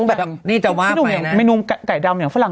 อืมอะไรอย่างเนี้ย